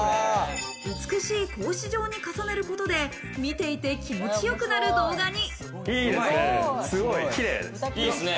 美しい格子状に重ねることで、見ているだけで気持ちよくなる動画に。